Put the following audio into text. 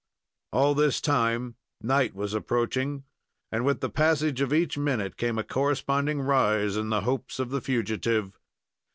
All this time night was approaching, and with the passage of each minute came a corresponding rise in the hopes of the fugitive.